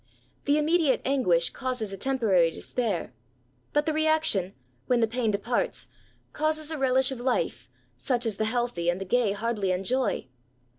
The imme^ diate anguish causes a temporary despair : but the reaction, when the pain departs, causes a relish of life such as the healthy and the gay hardly enjoy.